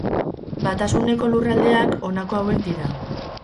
Batasuneko Lurraldeak, honako hauek dira.